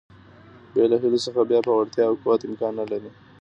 بې له هیلو څخه بیا پیاوړتیا او قوت امکان نه لري.